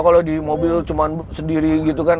kalau di mobil cuma sendiri gitu kan